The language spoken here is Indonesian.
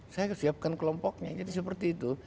saya siapkan kelompoknya jadi seperti itu